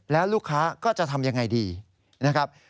แล้วลูกค้าก็จะทำยังไงดีนะครับ